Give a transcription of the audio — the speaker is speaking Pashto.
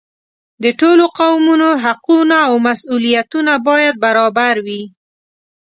د ټولو قومونو حقونه او مسؤلیتونه باید برابر وي.